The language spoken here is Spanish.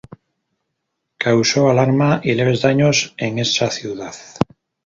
Causó alarma y leves daños en esa ciudad.